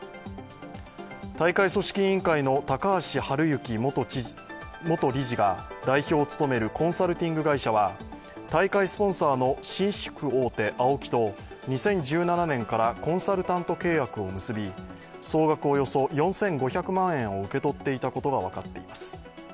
大会組織委員会の高橋治之元理事が代表を務めるコンサルティング会社は、大会スポンサーの紳士服大手・ＡＯＫＩと２０１７年からコンサルタント契約を結び総額およそ４５００万円を受け取っていたことが分かっています。